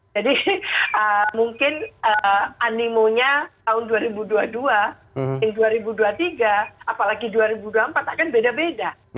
jadi mungkin animonya tahun dua ribu dua puluh dua yang dua ribu dua puluh tiga apalagi dua ribu dua puluh empat akan beda beda